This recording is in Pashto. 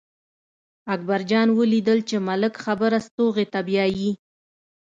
اکبر جان ولیدل چې ملک خبره ستوغې ته بیايي.